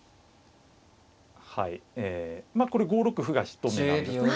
はいえまあこれ５六歩が一目なんですね。